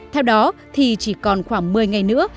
theo đó thì chỉ còn khoảng một mươi ngày nữa